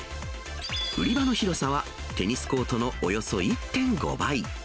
売り場の広さは、テニスコートのおよそ１．５倍。